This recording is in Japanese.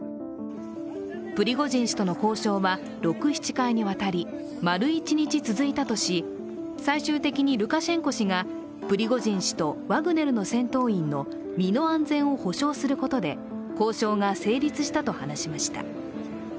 プリゴジン氏との交渉は６７回にわたり、丸一日続いたとし、最終的にルカシェンコ氏がプリゴジン氏とワグネルの戦闘員の身の安全を保障することで交渉が成立したと話しました。